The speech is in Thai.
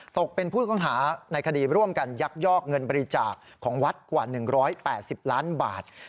ตกเป็นผู้ต้องหาในคดีร่วมกันยักยอกเงินบริจาคของวัดกว่า๑๘๐ล้านบาท